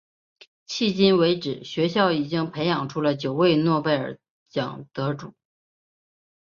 迄今为止学校已经培养出了九位诺贝尔奖得主。